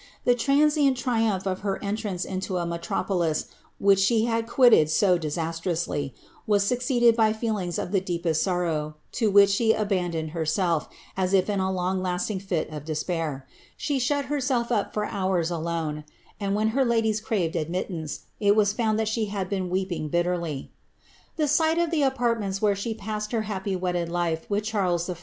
The transient triumph of her entrance into a metropolis which she had quitted so disastrously, was succeeded by feel ings of the deepest sorrow, to which she abandoned herself, as if in a long lasting fit of despair. She shut herself up for hours alone, and when her ladies craved admittance, it was found that she had been weep iDj^ bitterly.' ^ The sight of the apartments where she passed her happy wedded life with Charles I.